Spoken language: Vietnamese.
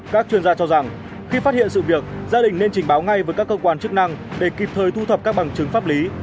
các chuyên gia cho rằng khi phát hiện sự việc gia đình nên trình báo ngay với các cơ quan chức năng để kịp thời thu thập các bằng chứng pháp lý